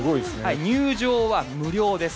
入場は無料です。